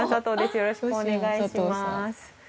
よろしくお願いします。